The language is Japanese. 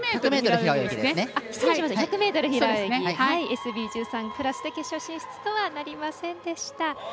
ＳＢ１３クラスで決勝進出とはなりませんでした。